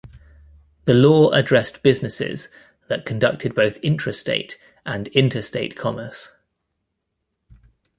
The law addressed businesses that conducted both intrastate and interstate commerce.